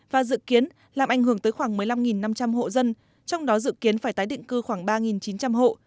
và dự kiến làm ảnh hưởng tới khoảng một mươi năm năm trăm linh hộ dân trong đó dự kiến phải tái định cư khoảng ba chín trăm linh hộ